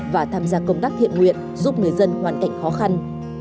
và tham gia công tác thiện nguyện giúp người dân hoàn cảnh khó khăn